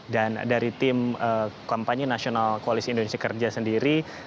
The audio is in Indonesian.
dan dari tim kampanye nasional koalisi indonesia kerja sendiri